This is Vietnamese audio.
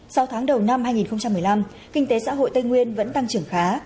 sau tháng đầu năm hai nghìn một mươi năm kinh tế xã hội tây nguyên vẫn tăng trưởng khá